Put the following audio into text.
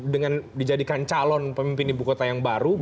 dengan dijadikan calon pemimpin ibu kota yang berada di jakarta